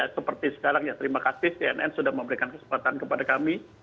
seperti sekarang ya terima kasih cnn sudah memberikan kesempatan kepada kami